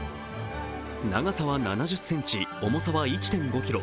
長さは７０ｃｍ、重さは１．５ｋｇ。